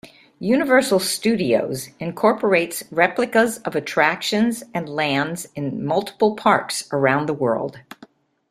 Universal Studios incorporates replicas of attractions and lands in multiple parks around the world.